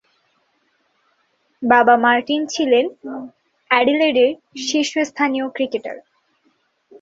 বাবা মার্টিন ছিলেন অ্যাডিলেডের শীর্ষস্থানীয় ক্রিকেটার।